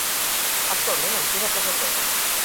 Actualment en queda poca cosa.